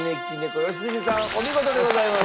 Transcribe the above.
良純さんお見事でございます。